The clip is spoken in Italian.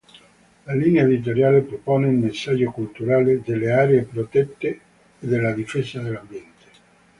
La linea editoriale propone il messaggio culturale delle aree protette e della difesa dell'ambiente.